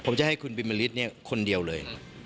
ผมจะให้คุณบินบริษฐ์คนเดียวเลย